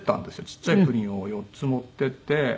ちっちゃいプリンを４つ持っていって。